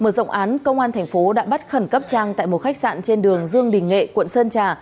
mở rộng án công an thành phố đã bắt khẩn cấp trang tại một khách sạn trên đường dương đình nghệ quận sơn trà